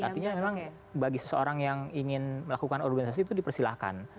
artinya memang bagi seseorang yang ingin melakukan organisasi itu dipersilahkan